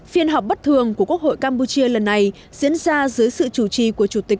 phiên họp bất thường của quốc hội campuchia lần này diễn ra dưới sự chủ trì của chủ tịch